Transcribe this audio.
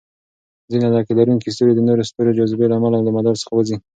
ځینې لکۍ لرونکي ستوري د نورو ستورو جاذبې له امله له مدار څخه ووځي.